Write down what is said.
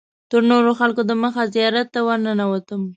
تر نورو خلکو دمخه زیارت ته ورننوتم.